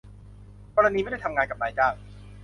กรณีไม่ได้ทำงานกับนายจ้าง